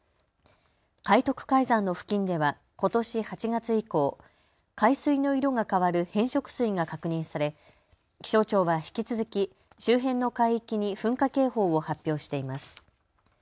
海徳海山の付近ではことし８月以降、海水の色が変わる変色水が確認され気象庁は引き続き周辺の海域に噴火警報を発表しています。